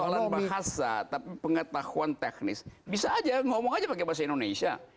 persoalan bahasa tapi pengetahuan teknis bisa aja ngomong aja pakai bahasa indonesia